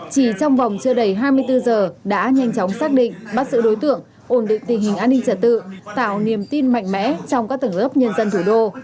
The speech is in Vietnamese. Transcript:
chỉ trong vòng chưa đầy hai mươi bốn giờ đã nhanh chóng xác định bắt giữ đối tượng ổn định tình hình an ninh trật tự tạo niềm tin mạnh mẽ trong các tầng lớp nhân dân thủ đô